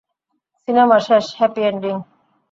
Cinema শেষ, happy ending.